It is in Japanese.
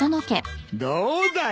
どうだい。